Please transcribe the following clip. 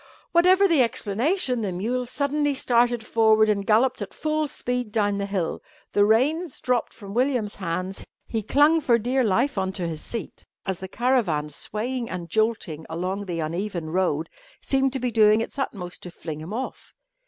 Whatever the explanation, the mule suddenly started forward and galloped at full speed down the hill. The reins dropped from William's hands; he clung for dear life on to his seat, as the caravan, swaying and jolting along the uneven road, seemed to be doing its utmost to fling him off.